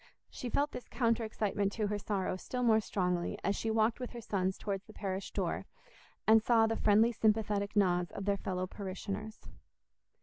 She felt this counter excitement to her sorrow still more strongly as she walked with her sons towards the church door, and saw the friendly sympathetic nods of their fellow parishioners.